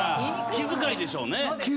気遣いでしょうね。